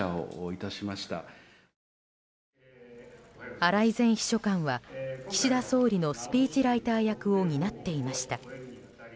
荒井前秘書官は岸田総理のスピーチライター役を担っていました。